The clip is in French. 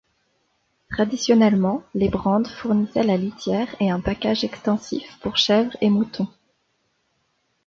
Traditionnellement, les brandes fournissaient la litière et un pacage extensif pour chèvres et moutons.